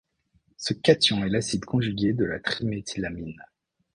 Ce cation est l'acide conjugué de la triméthylamine.